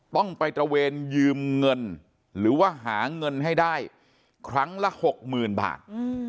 ต้องไปตระเวนยืมเงินหรือว่าหาเงินให้ได้ครั้งละหกหมื่นบาท